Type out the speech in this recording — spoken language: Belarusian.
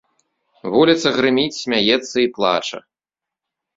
Вуліца грыміць, смяецца і плача.